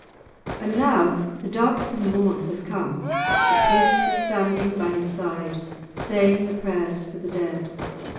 And now the darksome morn has come, the priest is standing by his side, saying the prayers for the dead.